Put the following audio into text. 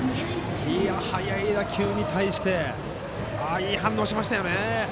速い打球に対していい反応しましたよね。